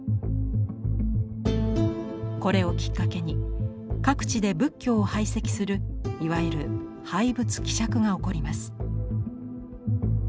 これをきっかけに各地で仏教を排斥するいわゆる「廃仏毀釈」が起こります。